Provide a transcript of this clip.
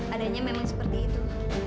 adanya memang seperti itu